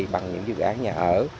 bằng những dự án nhà ở